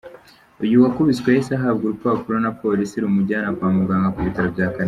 Uyu wakubiswe yahise ahabwa urupapuro na Polisi rumujyana kwa muganga ku ibitaro bya Kanombe.